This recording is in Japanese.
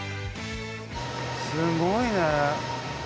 すごいね。